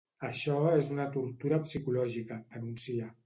Això és una tortura psicològica, denuncia.